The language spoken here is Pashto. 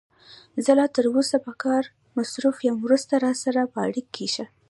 زه لا تر اوسه په کار مصروف یم، وروسته راسره په اړیکه کې شه.